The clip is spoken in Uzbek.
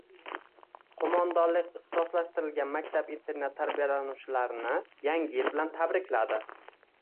Qo‘mondonlik ixtisoslashtirilgan maktab-internat tarbiyalanuvchilarini Yangi yil bilan tabrikladi